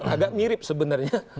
agak mirip sebenarnya